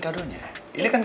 ke rumah mama kan